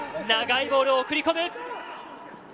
長いボールを送り込む。